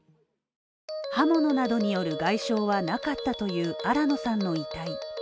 刃物などによる外傷はなかったという新野さんの遺体。